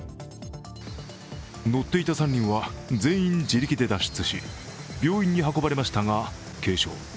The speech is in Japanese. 乗っていた３人は全員、地力で脱出し病院に運ばれましたが、軽傷。